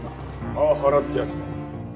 パワハラってやつだな。